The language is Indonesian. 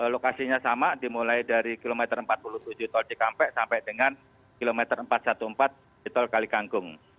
lokasinya sama dimulai dari km empat puluh tujuh gtol cikampek sampai dengan km empat ratus empat belas gtol kalikangkung